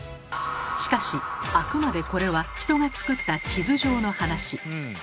しかしあくまでこれは人が作った地図上の話。